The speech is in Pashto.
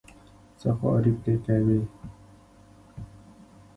څه خواري پرې کوې.